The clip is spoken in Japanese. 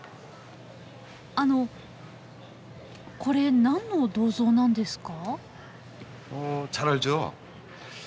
あのこれ何の銅像なんですか？